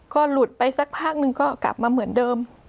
ก็หลุดไปสักพักนึงก็กลับมาเหมือนเดิม